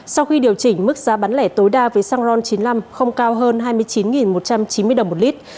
sau khi điều chỉnh mức giá bán lẻ tối đa với xăng ron chín mươi năm không cao hơn hai mươi chín một trăm chín mươi đồng một lít